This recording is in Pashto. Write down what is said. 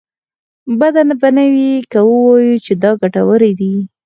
بده به نه وي که ووايو چې دا ګټورې دي.